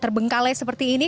terbengkalai seperti ini